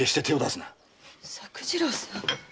作次郎さん！